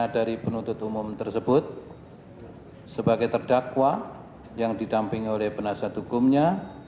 dari penuntut umum tersebut sebagai terdakwa yang didampingi oleh penasihat hukumnya